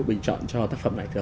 bình chọn cho tác phẩm này thưa